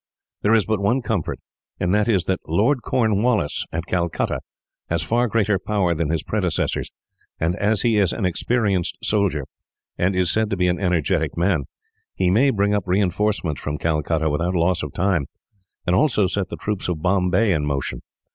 There is but one comfort, and that is that Lord Cornwallis, at Calcutta, has far greater power than his predecessors; and as he is an experienced soldier, and is said to be an energetic man, he may bring up reinforcements from Calcutta without loss of time, and also set the troops of Bombay in motion.